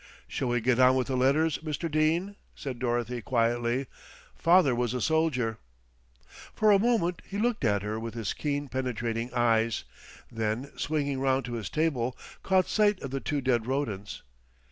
"Shall we get on with the letters, Mr. Dene?" said Dorothy quietly. "Father was a soldier." For a moment he looked at her with his keen penetrating eyes, then swinging round to his table caught sight of the two dead rodents.